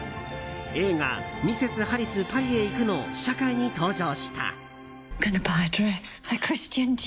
映画「ミセス・ハリス、パリへ行く」の試写会に登場した。